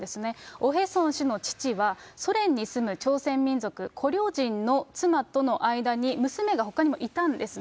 オ・ヘソン氏の父は、ソ連に住む朝鮮民族、コリョ人の妻との間に娘がほかにもいたんですね。